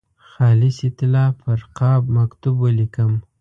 خالصې طلا پر قاب مکتوب ولیکم.